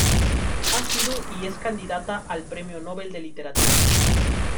Ha sido y es candidata al Premio Nobel de Literatura".